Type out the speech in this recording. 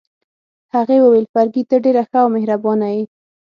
هغې وویل: فرګي، ته ډېره ښه او مهربانه يې.